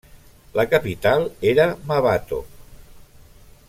La capital era Mmabatho.